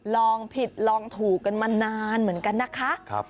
ลองผิดลองถูกกันมานานเหมือนกันนะคะ